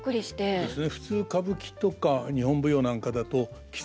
そうですね。